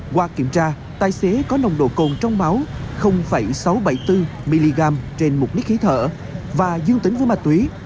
qua kiểm tra tài xế có nồng độ cồn trong máu sáu trăm bảy mươi bốn mg trên một lít khí thở và dương tính với ma túy